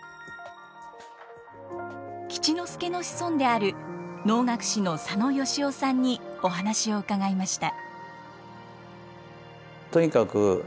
吉之助の子孫である能楽師の佐野由於さんにお話を伺いました。